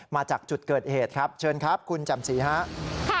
มาจากจุดเกิดเหตุครับเชิญครับคุณจำศรีครับ